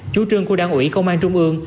chú trương của đảng ủy công an trung ương